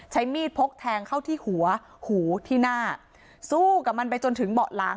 ใช้มีดพกแทงเข้าที่หัวหูที่หน้า